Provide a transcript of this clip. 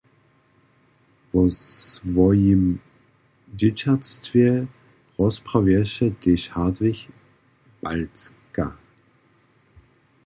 Wo swojim dźěćatstwje rozprawješe tež Hartwig Balcka.